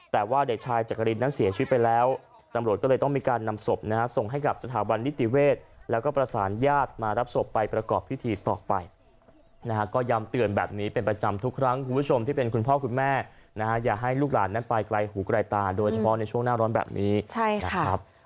แต่ว่าเด็กชายจักรินนั้นเสียชีวิตไปแล้วตำรวจก็เลยต้องมีการนำศพนะฮะส่งให้กับสถาบันนิติเวศแล้วก็ประสานญาติมารับศพไปประกอบพิธีต่อไปนะฮะก็ย้ำเตือนแบบนี้เป็นประจำทุกครั้งคุณผู้ชมที่เป็นคุณพ่อคุณแม่นะฮะอย่าให้ลูกหลานนั้นไปไกลหูไกลตาโดยเฉพาะในช่วงหน้าร้อนแบบนี้นะครับ